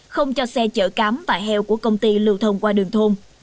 không cho xe chở cám và heo của công ty lưu thông qua đường thôn